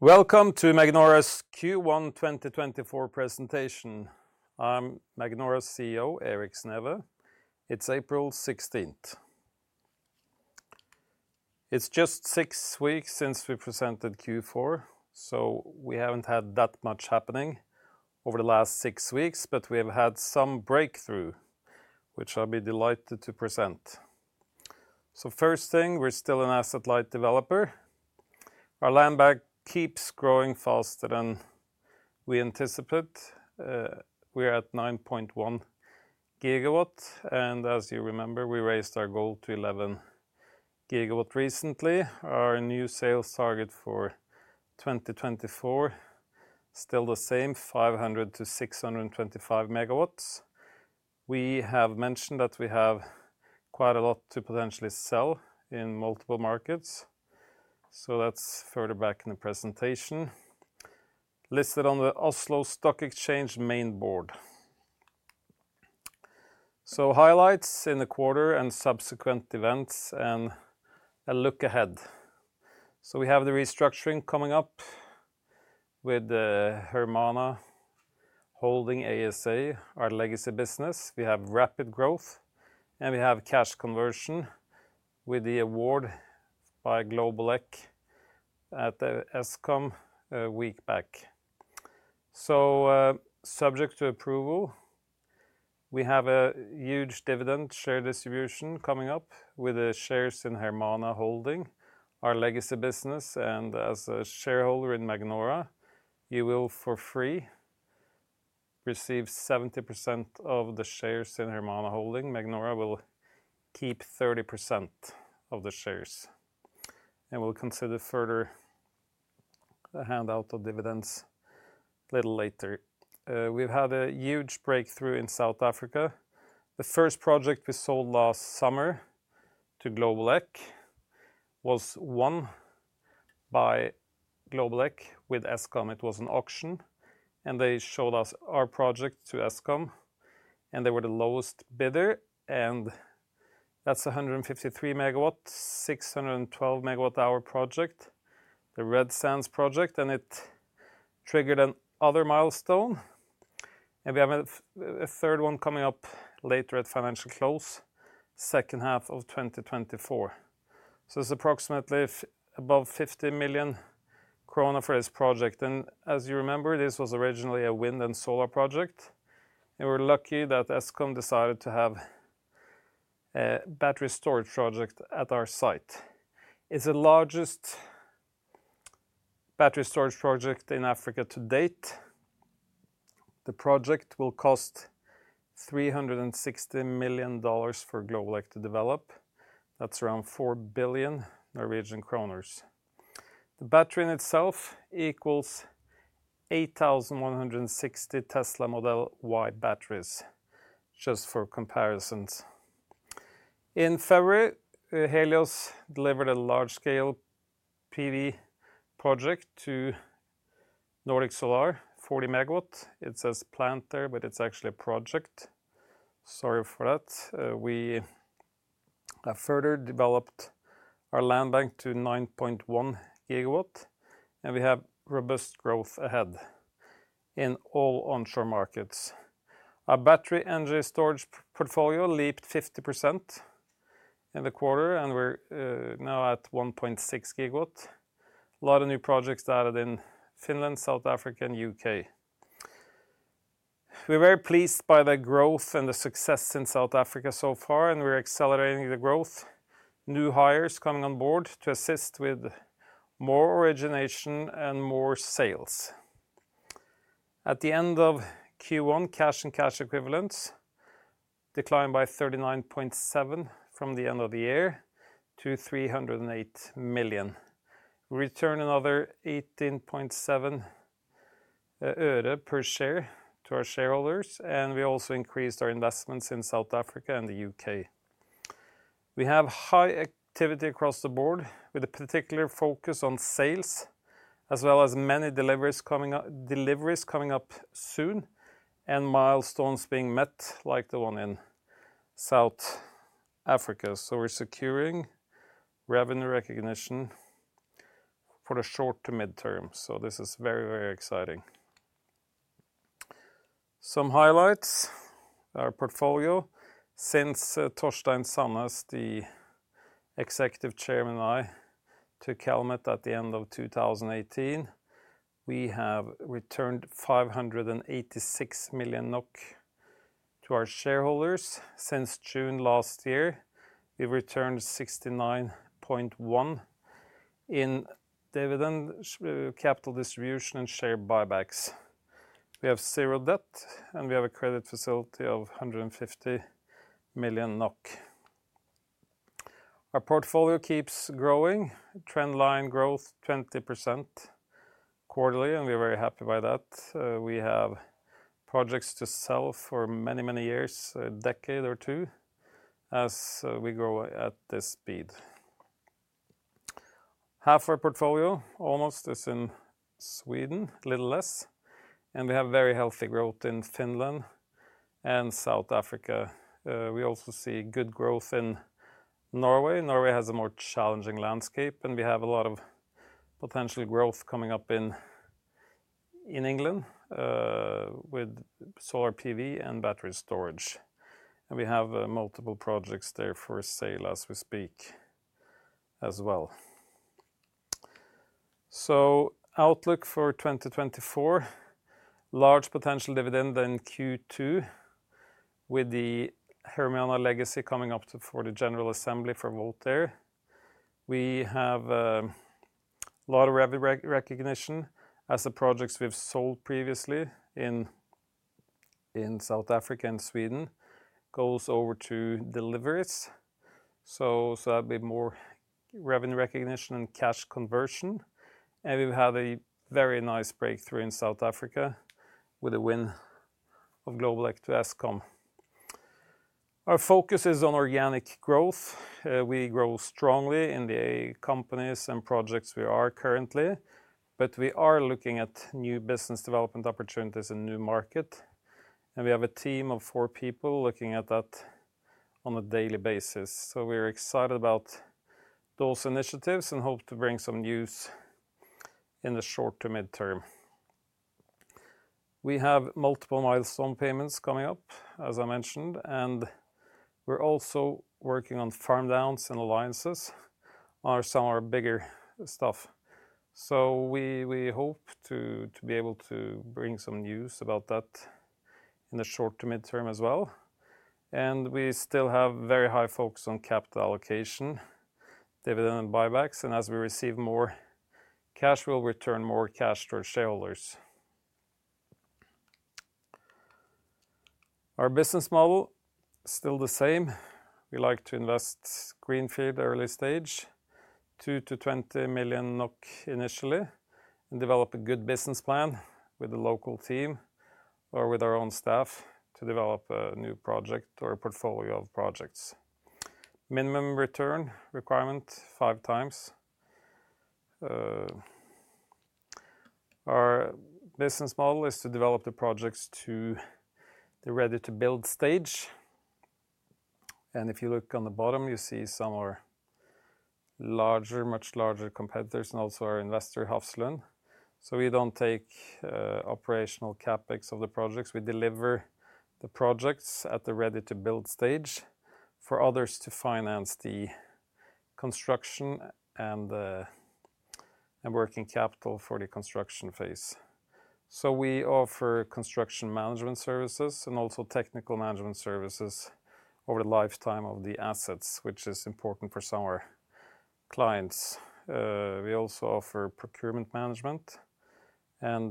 Welcome to Magnora's Q1 2024 presentation. I'm Magnora's CEO, Erik Sneve. It's April 16. It's just 6 weeks since we presented Q4, so we haven't had that much happening over the last 6 weeks, but we have had some breakthrough, which I'll be delighted to present. So first thing, we're still an asset light developer. Our land bank keeps growing faster than we anticipate. We're at 9.1 GW, and as you remember, we raised our goal to 11 GW recently. Our new sales target for 2024 is still the same, 500-625 MW. We have mentioned that we have quite a lot to potentially sell in multiple markets, so that's further back in the presentation. Listed on the Oslo Stock Exchange main board. So highlights in the quarter and subsequent events and a look ahead. So we have the restructuring coming up with Hermana Holding ASA, our legacy business. We have rapid growth, and we have cash conversion with the award by Globeleq at Eskom a week back. So subject to approval, we have a huge dividend share distribution coming up with the shares in Hermana Holding, our legacy business. And as a shareholder in Magnora, you will for free receive 70% of the shares in Hermana Holding. Magnora will keep 30% of the shares, and we'll consider further the handout of dividends a little later. We've had a huge breakthrough in South Africa. The first project we sold last summer to Globeleq was won by Globeleq with Eskom. It was an auction, and they showed us our project to Eskom, and they were the lowest bidder. And that's a 153 MW, 612 MWh project, the Red Sands project. And it triggered another milestone. And we have a third one coming up later at financial close, second half of 2024. So it's approximately above 50 million krone for this project. And as you remember, this was originally a wind and solar project. And we're lucky that Eskom decided to have a battery storage project at our site. It's the largest battery storage project in Africa to date. The project will cost $360 million for Globeleq to develop. That's around 4 billion Norwegian kroner. The battery in itself equals 8,160 Tesla Model Y batteries, just for comparisons. In February, Helios delivered a large-scale PV project to Nordic Solar, 40 megawatt. It says plant there, but it's actually a project. Sorry for that. We have further developed our land bank to 9.1 gigawatt, and we have robust growth ahead in all onshore markets. Our battery energy storage portfolio leaped 50% in the quarter, and we're now at 1.6 GW. A lot of new projects added in Finland, South Africa, and U.K. We're very pleased by the growth and the success in South Africa so far, and we're accelerating the growth. New hires coming on board to assist with more origination and more sales. At the end of Q1, cash and cash equivalents declined by 39.7 million from the end of the year to 308 million. We returned another NOK 0.187 per share to our shareholders, and we also increased our investments in South Africa and the U.K. We have high activity across the board with a particular focus on sales, as well as many deliveries coming up soon and milestones being met, like the one in South Africa. So we're securing revenue recognition for the short to mid-term. So this is very, very exciting. Some highlights: our portfolio. Since Torstein Sanness, the Executive Chairman, and I took helm at the end of 2018, we have returned 586 million NOK to our shareholders. Since June last year, we've returned 69.1 million in dividend capital distribution and share buybacks. We have zero debt, and we have a credit facility of 150 million NOK. Our portfolio keeps growing. Trendline growth 20% quarterly, and we're very happy by that. We have projects to sell for many, many years, a decade or two, as we grow at this speed. Half our portfolio, almost, is in Sweden, a little less. And we have very healthy growth in Finland and South Africa. We also see good growth in Norway. Norway has a more challenging landscape, and we have a lot of potential growth coming up in England with solar PV and battery storage. We have multiple projects there for sale as we speak as well. Outlook for 2024: large potential dividend in Q2 with the Hermana legacy coming up for the general assembly for Voltair. We have a lot of revenue recognition as the projects we've sold previously in South Africa and Sweden go over to deliveries. That'll be more revenue recognition and cash conversion. We've had a very nice breakthrough in South Africa with a win of Globeleq to Eskom. Our focus is on organic growth. We grow strongly in the companies and projects we are currently, but we are looking at new business development opportunities in new markets. We have a team of 4 people looking at that on a daily basis. We're excited about those initiatives and hope to bring some news in the short to mid-term. We have multiple milestone payments coming up, as I mentioned. We're also working on farm downs and alliances on some of our bigger stuff. We hope to be able to bring some news about that in the short to mid-term as well. We still have very high focus on capital allocation, dividend and buybacks. As we receive more cash, we'll return more cash to our shareholders. Our business model is still the same. We like to invest greenfield early stage, 2 million-20 million NOK initially, and develop a good business plan with the local team or with our own staff to develop a new project or a portfolio of projects. Minimum return requirement: five times. Our business model is to develop the projects to the ready-to-build stage. If you look on the bottom, you see some of our larger, much larger competitors and also our investor, Hafslund. So we don't take operational CapEx of the projects. We deliver the projects at the ready-to-build stage for others to finance the construction and working capital for the construction phase. So we offer construction management services and also technical management services over the lifetime of the assets, which is important for some of our clients. We also offer procurement management. And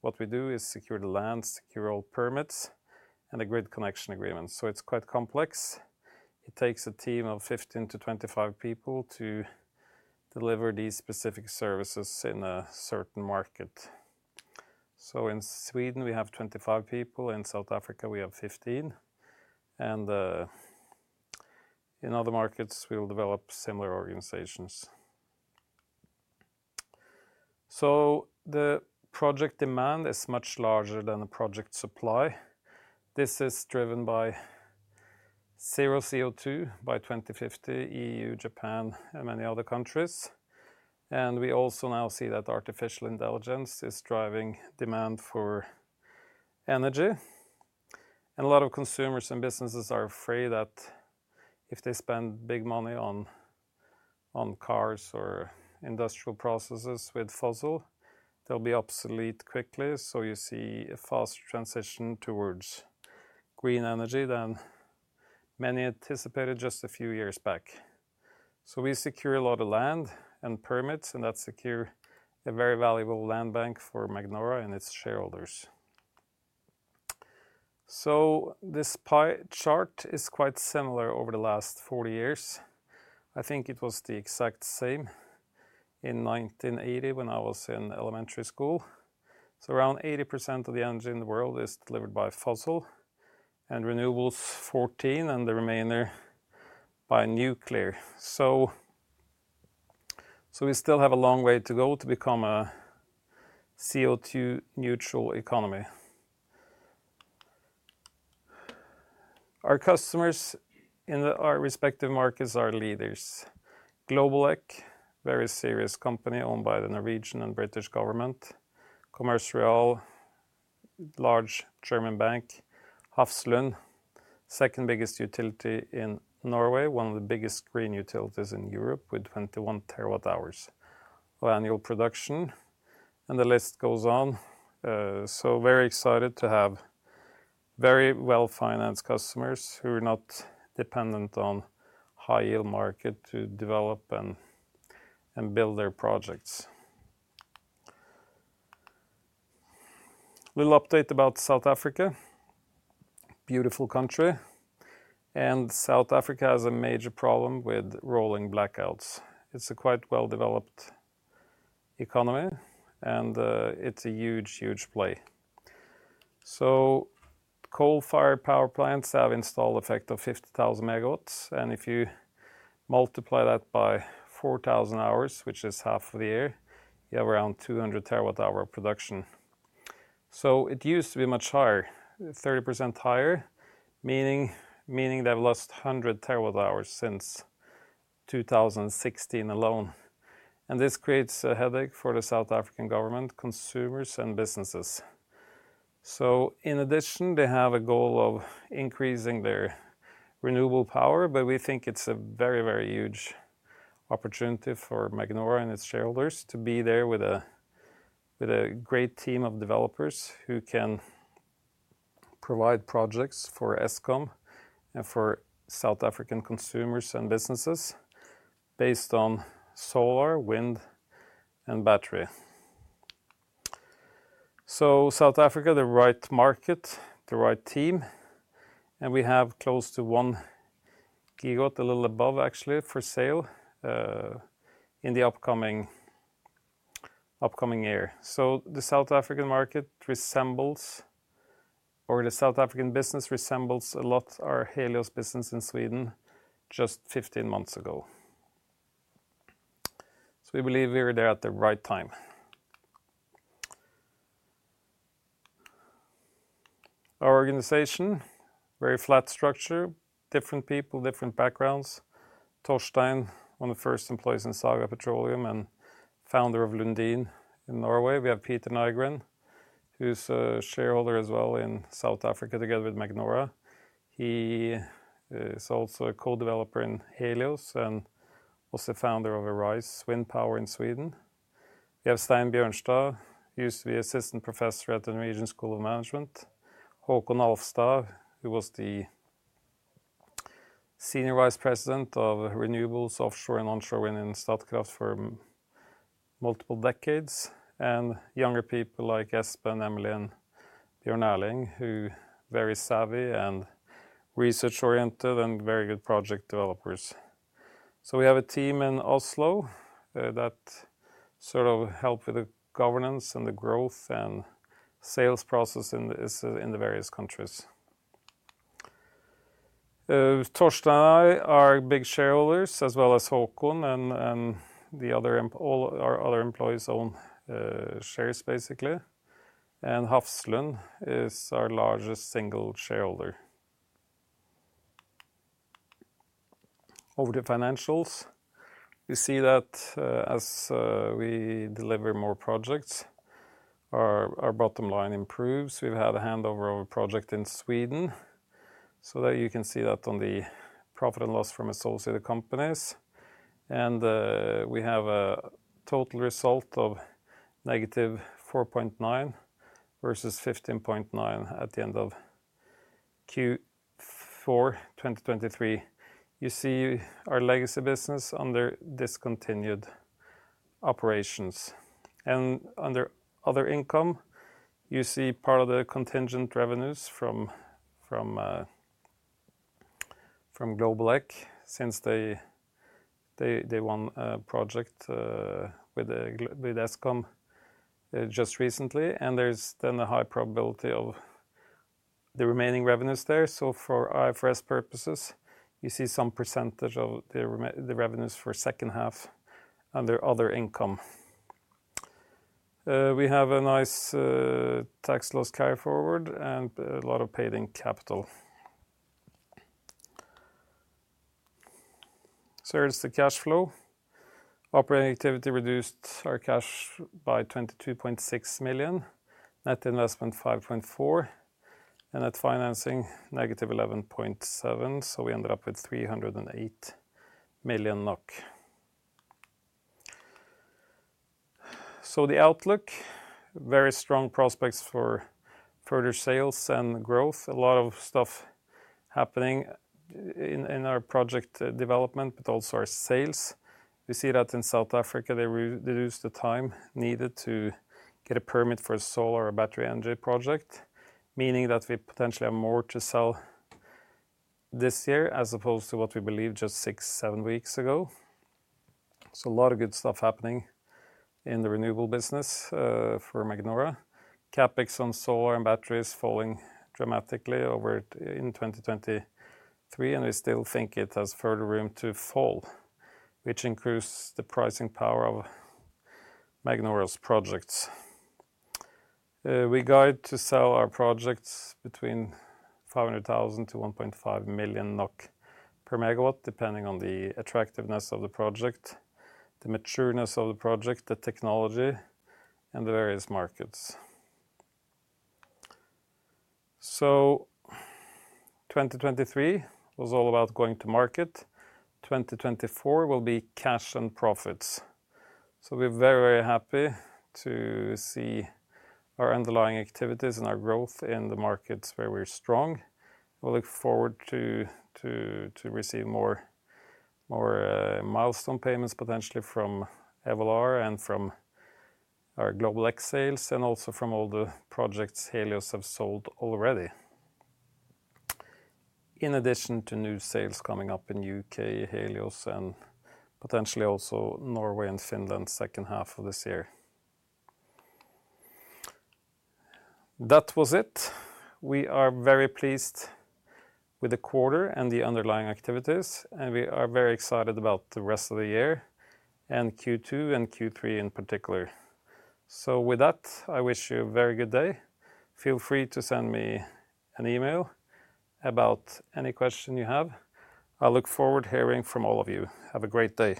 what we do is secure the land, secure all permits, and a grid connection agreement. So it's quite complex. It takes a team of 15-25 people to deliver these specific services in a certain market. So in Sweden, we have 25 people. In South Africa, we have 15. And in other markets, we will develop similar organizations. So the project demand is much larger than the project supply. This is driven by zero CO2 by 2050, EU, Japan, and many other countries. We also now see that artificial intelligence is driving demand for energy. A lot of consumers and businesses are afraid that if they spend big money on cars or industrial processes with fossil, they'll be obsolete quickly. You see a fast transition towards green energy than many anticipated just a few years back. We secure a lot of land and permits, and that secures a very valuable land bank for Magnora and its shareholders. This chart is quite similar over the last 40 years. I think it was the exact same in 1980 when I was in elementary school. Around 80% of the energy in the world is delivered by fossil, and renewables 14%, and the remainder by nuclear. So we still have a long way to go to become a CO2-neutral economy. Our customers in our respective markets are leaders. Globeleq, very serious company owned by the Norwegian and British government. Commerz Real, large German bank. Hafslund, second biggest utility in Norway, one of the biggest green utilities in Europe with 21 TWh of annual production. And the list goes on. So very excited to have very well-financed customers who are not dependent on high-yield markets to develop and build their projects. Little update about South Africa. Beautiful country. And South Africa has a major problem with rolling blackouts. It's a quite well-developed economy, and it's a huge, huge play. So coal-fired power plants have installed an effect of 50,000 MW. And if you multiply that by 4,000 hours, which is half of the year, you have around 200 TWh production. It used to be much higher, 30% higher, meaning they've lost 100 TWh since 2016 alone. This creates a headache for the South African government, consumers, and businesses. In addition, they have a goal of increasing their renewable power. But we think it's a very, very huge opportunity for Magnora and its shareholders to be there with a great team of developers who can provide projects for Eskom and for South African consumers and businesses based on solar, wind, and battery. South Africa, the right market, the right team. We have close to 1 GW, a little above actually, for sale in the upcoming year. The South African market resembles, or the South African business resembles a lot our Helios business in Sweden just 15 months ago. We believe we were there at the right time. Our organization, very flat structure, different people, different backgrounds. Torstein, one of the first employees in Saga Petroleum and founder of Lundin in Norway. We have Peter Nygren, who's a shareholder as well in South Africa together with Magnora. He is also a co-developer in Helios and also founder of Arise Wind Power in Sweden. We have Stein Bjørnstad, used to be assistant professor at the Norwegian School of Management. Haakon Alfstad, who was the Senior Vice President of renewables, offshore, and onshore wind in Statkraft for multiple decades. And younger people like Espen, Emilie, and Bjørn Erling, who are very savvy and research-oriented and very good project developers. So we have a team in Oslo that sort of helps with the governance and the growth and sales process in the various countries. Torstein and I are big shareholders, as well as Haakon and all our other employees own shares, basically. Hafslund is our largest single shareholder. Over to financials. You see that as we deliver more projects, our bottom line improves. We've had a handover of a project in Sweden. You can see that on the profit and loss from associated companies. We have a total result of -4.9 versus 15.9 at the end of Q4 2023. You see our legacy business under discontinued operations. Under other income, you see part of the contingent revenues from Globeleq since they won a project with Eskom just recently. There's then a high probability of the remaining revenues there. For IFRS purposes, you see some percentage of the revenues for second half under other income. We have a nice tax loss carryforward and a lot of paid-in capital. So here's the cash flow. Operating activity reduced our cash by 22.6 million. Net investment 5.4 million. And at financing, negative 11.7 million. So we ended up with 308 million NOK. So the outlook: very strong prospects for further sales and growth. A lot of stuff happening in our project development, but also our sales. We see that in South Africa, they reduced the time needed to get a permit for a solar or a battery energy project, meaning that we potentially have more to sell this year as opposed to what we believed just six, seven weeks ago. So a lot of good stuff happening in the renewable business for Magnora. Capex on solar and batteries falling dramatically in 2023. And we still think it has further room to fall, which increases the pricing power of Magnora's projects. We guide to sell our projects between 500,000-1.5 million NOK per megawatt, depending on the attractiveness of the project, the matureness of the project, the technology, and the various markets. So 2023 was all about going to market. 2024 will be cash and profits. So we're very, very happy to see our underlying activities and our growth in the markets where we're strong. We look forward to receiving more milestone payments, potentially, from Evolar and from our Globeleq sales and also from all the projects Helios have sold already, in addition to new sales coming up in the U.K., Helios, and potentially also Norway and Finland second half of this year. That was it. We are very pleased with the quarter and the underlying activities. And we are very excited about the rest of the year and Q2 and Q3 in particular. With that, I wish you a very good day. Feel free to send me an email about any question you have. I look forward to hearing from all of you. Have a great day.